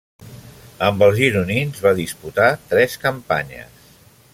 Amb els gironins va disputar tres campanyes.